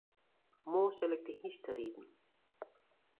Moarn sil ik te hynsteriden.